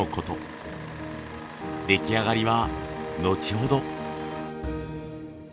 出来上がりは後ほど。